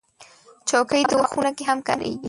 چوکۍ د واده خونه کې هم کارېږي.